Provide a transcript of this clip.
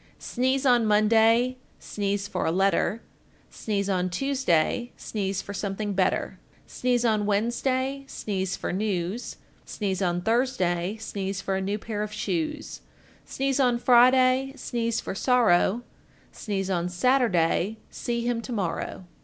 Sneeze on Monday, sneeze for a letter, Sneeze on Tuesday, sneeze for something better, Sneeze on Wednesday, sneeze for news, Sneeze on Thursday, sneeze for a new pair of shoes, Sneeze on Friday, sneeze for sorrow, Sneeze on Saturday, see him to morrow.